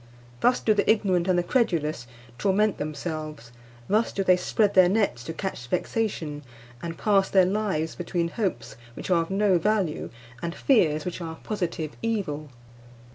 Thus do the ignorant and the credulous torment themselves; thus do they spread their nets to catch vexation, and pass their lives between hopes which are of no value and fears which are a positive evil.